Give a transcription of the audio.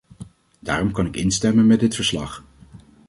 Daarom kan ik instemmen met dit verslag.